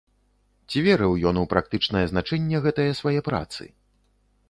Ці верыў ён у практычнае значэнне гэтае свае працы?